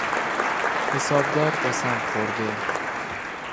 حسابدار قسم خورده